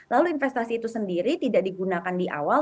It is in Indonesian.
lalu investasi itu sendiri tidak digunakan di awal